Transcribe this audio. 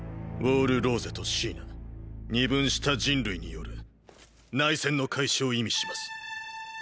ウォール・ローゼとシーナ二分した人類による内戦の開始を意味します。